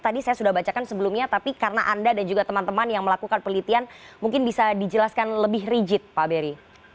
tadi saya sudah bacakan sebelumnya tapi karena anda dan juga teman teman yang melakukan pelitian mungkin bisa dijelaskan lebih rigid pak beri